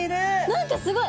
何かすごい！